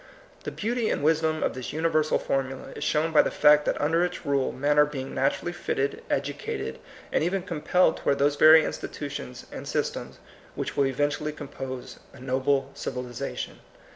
The beauty and wisdom of this universal formula is shown by the fact that under its rule men are being natuiuUy fitted, edu cated, and even compelled toward those very institutions and systems which will eventually compose a noble civilization.